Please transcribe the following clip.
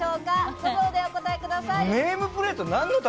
５秒でお答えください。